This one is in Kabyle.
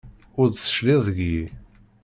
Ur d-tecliɛ deg-i.